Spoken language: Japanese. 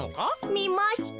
みました。